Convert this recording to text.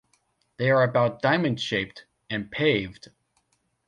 They are about diamond-shaped, and paved.